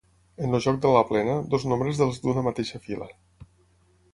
En el joc de la plena, dos nombres dels d'una mateixa fila.